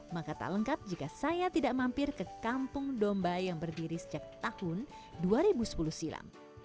maka tak lengkap jika saya tidak mampir ke kampung domba yang berdiri sejak tahun dua ribu sepuluh silam